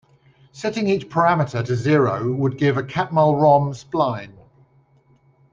Setting each parameter to zero would give a Catmull-Rom spline.